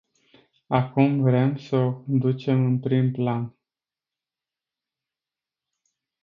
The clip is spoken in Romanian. Acum vrem să o aducem în prim plan.